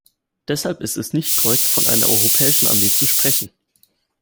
Deshalb ist es nicht korrekt, von einer europäischen Armee zu sprechen.